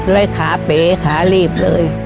ขาเป๋ขาลีบเลย